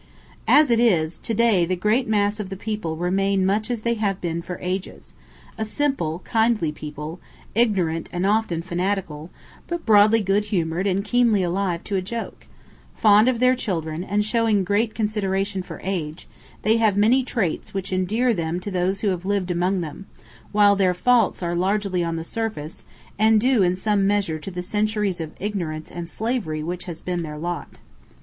As it is, to day the great mass of the people remain much as they have been for ages; a simple, kindly people, ignorant and often fanatical, but broadly good humoured and keenly alive to a joke; fond of their children, and showing great consideration for age, they have many traits which endear them to those who have lived among them, while their faults are largely on the surface, and due in some measure to the centuries of ignorance and slavery which has been their lot.